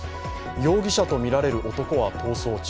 容疑者とみられる男は逃走中。